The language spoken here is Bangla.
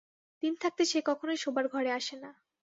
দিন থাকতে সে কখনোই শোবার ঘরে আসে না।